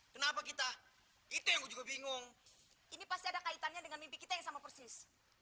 kenapa kita itu yang gue juga bingung ini pasti ada kaitannya dengan mimpi kita yang sama persis